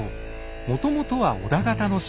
もともとは織田方の城。